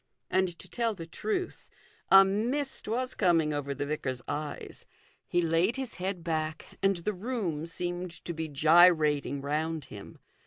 And to tell the truth a mist was coming over the vicar's eyes. He laid his head back, and the room seemed to be gyrating round him.